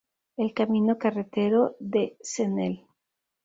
El camino carretero de Cnel.